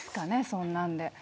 そんなんで。